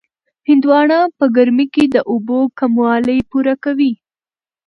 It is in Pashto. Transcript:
هندواڼه په ګرمۍ کې د اوبو کموالی پوره کوي.